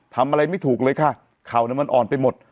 ทำอะไรไม่ถูกเลยค่ะเข่ามันอ่อนไปหมด